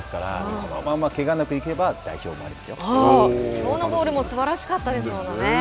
そのまま、けがなくいけばきょうのゴールもすばらしかったですもんね。